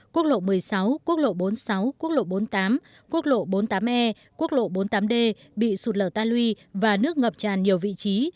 quốc lộ một mươi sáu quốc lộ bốn mươi sáu quốc lộ bốn mươi tám quốc lộ bốn mươi tám e quốc lộ bốn mươi tám d bị sụt lở ta lui và nước ngập tràn nhiều vị trí